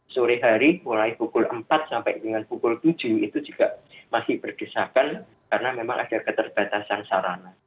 sore hari mulai pukul empat sampai dengan pukul tujuh itu juga masih berdesakan karena memang ada keterbatasan sarana